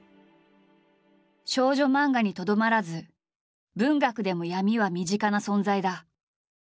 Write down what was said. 少女漫画にとどまらず文学でも闇は身近な存在だ。